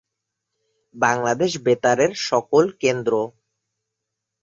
বাংলাদেশ বেতারের সকল কেন্দ্র।